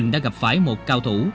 đã gặp lại một người cao thủ